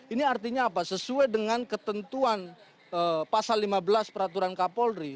ini artinya apa sesuai dengan ketentuan pasal lima belas peraturan kapolri